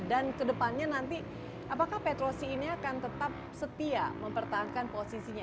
dan ke depannya nanti apakah petrosi ini akan tetap setia mempertahankan posisinya